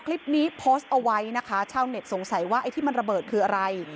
คลิปนี้โพสต์เอาไว้นะคะชาวเน็ตสงสัยว่าไอ้ที่มันระเบิดคืออะไร